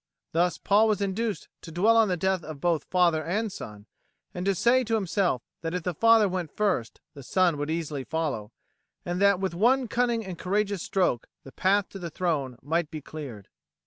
Thus was Paul induced to dwell on the death of both father and son, and to say to himself that if the father went first the son would easily follow, and that with one cunning and courageous stroke the path to the throne might be cleared.